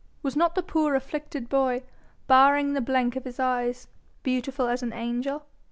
Was not the poor afflicted boy, barring the blank of his eyes, beautiful as an angel?